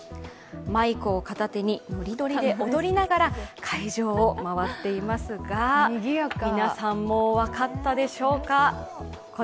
マイクを片手にノリノリで踊りながら会場を回っていますが皆さん、もう分かったでしょうか？